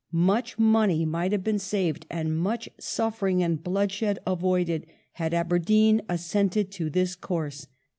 Much money might have been saved and much suffering and bloodshed avoided, had Aberdeen assented to this course.